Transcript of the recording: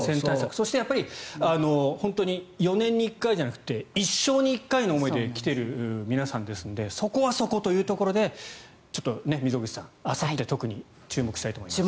そして本当に４年に１回じゃなくて一生に１回の思いで来ている皆さんですのでそこはそこというところでちょっと溝口さん、あさって特に注目したいと思います。